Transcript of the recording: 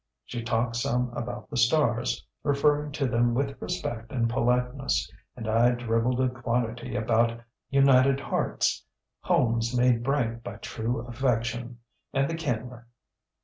She talked some about the stars, referring to them with respect and politeness, and I drivelled a quantity about united hearts, homes made bright by true affection, and the Kindler.